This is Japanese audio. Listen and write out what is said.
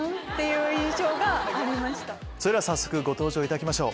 それでは早速ご登場いただきましょう。